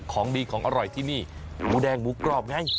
ของดีของอร่อยที่นี่หมูแดงหมูกรอบไง